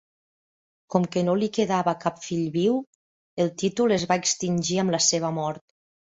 Com que no li quedava cap fill viu, el títol es va extingir amb la seva mort.